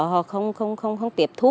họ không tiếp thu